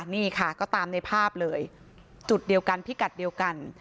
นี่ค่ะก็ตามในภาพเลยจุดเดียวกันพิกัดเดียวกัน